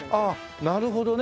なるほどね。